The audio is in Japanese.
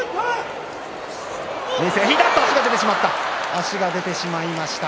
足が出てしまった。